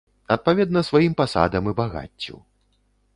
Адпаведна сваім пасадам і багаццю.